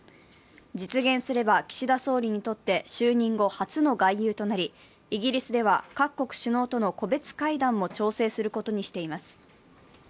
実現すれば、岸田総理にとって就任後初の外遊となり、イギリスでは各国首脳との個別会談も調整することにしています。